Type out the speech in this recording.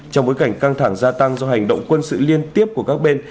trong bối cảnh căng thẳng gia tăng do hành động quân sự liên tiếp của các bên